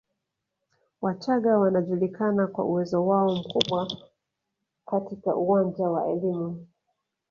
Wachaga wanajulikana kwa uwezo wao mkubwa katika uwanja wa elimu